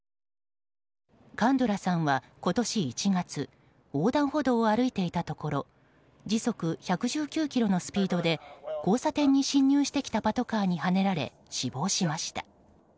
カンドゥラさんは今年１月横断歩道を歩いていたところ時速１１９キロのスピードで交差点に進入してきたパトカーにはねられ死亡しました。